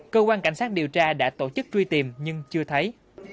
cơ quan cảnh sát điều tra đã tổ chức truy tìm nhưng chưa thấy